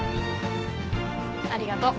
ありがとう。